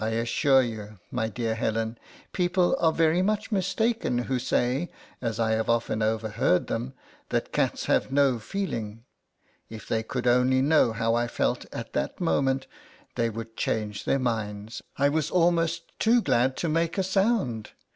assure you, my dear Helen, people are very much mistaken who say, as I have often overheard them, that cats have no feeling. If they could only know how I felt at that moment, they would change their minds. I was almost too glad to make a sound.